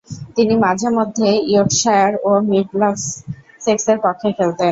তিনি মাঝে-মধ্যে ইয়র্কশায়ার ও মিডলসেক্সের পক্ষে খেলতেন।